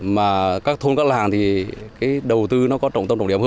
mà các thôn các làng thì cái đầu tư nó có